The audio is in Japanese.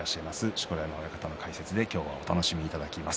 錣山親方の解説で今日はお楽しみいただきます。